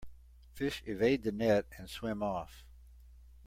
Fish evade the net and swim off.